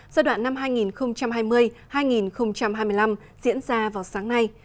giai đoạn năm hai nghìn hai mươi hai nghìn hai mươi năm diễn ra vào sáng nay